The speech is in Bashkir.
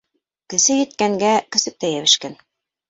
Көсө еткәнгә көсөк тә йәбешкән.